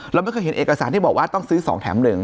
เราไม่เคยเห็นเอกสารที่บอกว่าต้องซื้อ๒แถม๑